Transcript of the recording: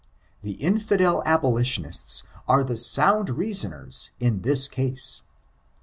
The infidel abolitionists are the sound reasonen in this case.